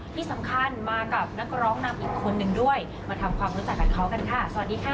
ที่สำคัญมากับนักร้องนำอีกคนนึงด้วยมาทำความรู้จักกับเขากันค่ะสวัสดีค่ะ